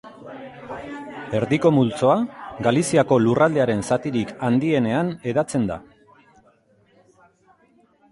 Erdiko multzoa Galiziako lurraldearen zatirik handienean hedatzen da.